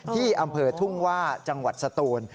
ที่อำเภอทุ่งว่าจังหวัดสตูน